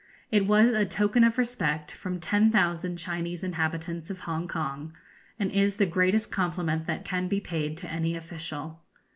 It was a token of respect from ten thousand Chinese inhabitants of Hongkong, and is the greatest compliment that can be paid to any official.